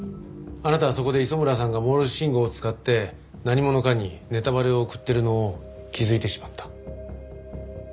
あなたはそこで磯村さんがモールス信号を使って何者かにネタバレを送っているのを気づいてしまった。